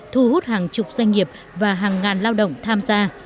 thu hút hàng chục doanh nghiệp và hàng ngàn lao động tham gia